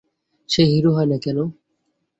সে hero হয় না কেন?